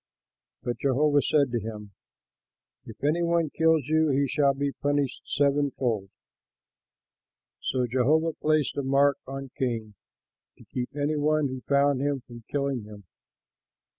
But Jehovah said to him, "If any one kills you, he shall be punished sevenfold." So Jehovah placed a mark on Cain, to keep any one who found him from killing him.